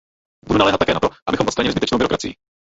Budu naléhat také na to, abychom odstranili zbytečnou byrokracii.